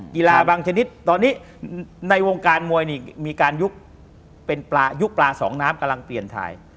กีฬาบางชนิดตอนนี้ในวงการมวยนี่มีการยุคเป็นยุคปลาสองน้ำกำลังเปลี่ยนถ่าย